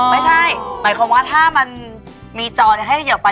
ไม่ใช่หมายความว่าถ้ามันมีจอให้เหยื่อไป